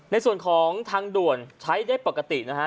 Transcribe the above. ในส่วนของทางด่วนใช้ได้ปกตินะฮะ